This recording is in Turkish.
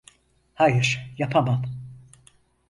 Hayır, yapamam.